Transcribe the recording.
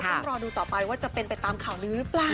ต้องรอดูต่อไปว่าจะเป็นไปตามข่าวลื้อหรือเปล่า